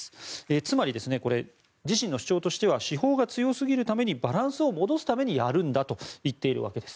つまり、自身の主張としては司法が強すぎるためにバランスを戻すためにやるんだと言っているわけです。